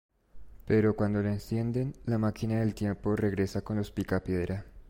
Pero cuando lo encienden, la máquina del tiempo regresa con los Picapiedra.